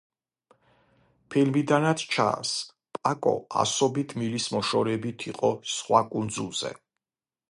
ფილმიდანაც ჩანს, პაკო ასობით მილის მოშორებით იყო სხვა კუნძულზე.